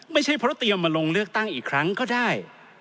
ไม่ใช่เพราะเตรียมมาลงเลือกตั้งอีกครั้งก็ได้